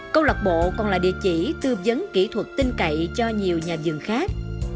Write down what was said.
câu lọt bộ còn là địa chỉ tư vấn kỹ thuật tinh cậy cho nhiều nhà dường khác